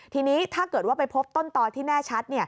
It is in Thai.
ทีนี้ถ้าเกิดว่าไปพบต้นต่อที่แน่ชัด